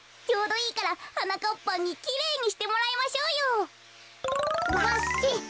ちょうどいいからはなかっぱんにきれいにしてもらいましょうよ。